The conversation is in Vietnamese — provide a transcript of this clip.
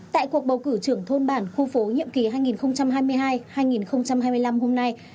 tại cuộc bầu cử trưởng thôn bản khu phố nhiệm kỳ hai nghìn hai mươi hai hai nghìn hai mươi năm hôm nay